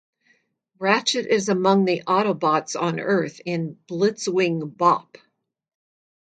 Ratchet is among the Autobots on Earth in "Blitzwing Bop".